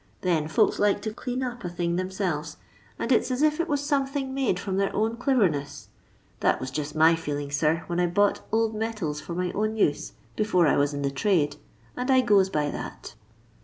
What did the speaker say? Then folka like to clean up a thing theiraelves, and it 'a as if it waa aomething made from their own clevemeu. That waa just my feeling, sir, when I bought old metala for my own use, before I waa in the trade, and I goea by that.